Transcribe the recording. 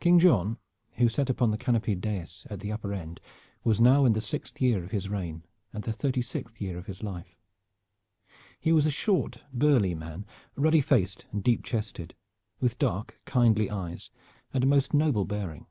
King John, who sat upon the canopied dais at the upper end, was now in the sixth year of his reign and the thirty sixth of his life. He was a short burly man, ruddy faced and deep chested, with dark kindly eyes and a most noble bearing.